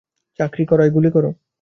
চাকায় গুলি কর!